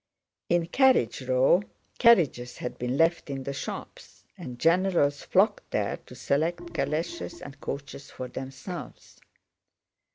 In Carriage Row carriages had been left in the shops, and generals flocked there to select calèches and coaches for themselves.